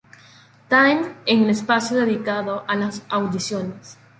Time" en el espacio dedicado a las audiciones.